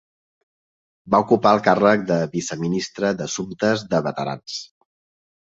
Va ocupar el càrrec de viceministre d'assumptes de veterans.